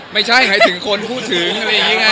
ไม่ใช่หมายถึงคนพูดถึงอะไรอย่างนี้ไง